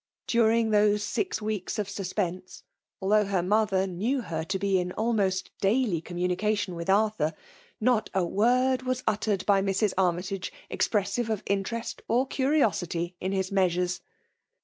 Dttrihg those six weeks of suspense, although hear mother knew her to be in almost daily com* mnnication with Arthur, not a word was uttered by Mrs. Armytage expressive of interest or curiosity in his measures.